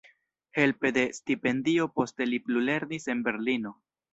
Helpe de stipendio poste li plulernis en Berlino.